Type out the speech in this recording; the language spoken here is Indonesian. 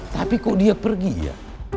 tapi kok dia pergi ya